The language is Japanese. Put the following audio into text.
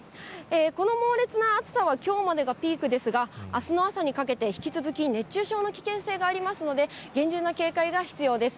この猛烈な暑さはきょうまでがピークですが、あすの朝にかけて引き続き熱中症の危険性がありますので、厳重な警戒が必要です。